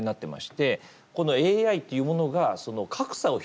このＡＩっていうものが格差を広げる装置だと。